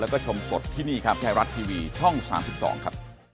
ผมไม่มีอะไรเลยครับ